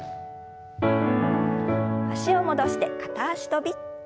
脚を戻して片脚跳び。